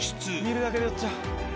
見るだけで酔っちゃう。